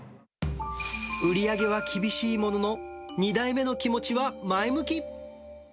売り上げは厳しいものの、２代目の気持ちは前向き。